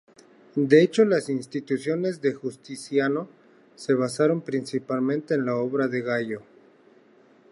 De hecho, las "Institutiones" de Justiniano se basaron principalmente en la obra de Gayo.